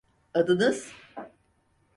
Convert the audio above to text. Adınız?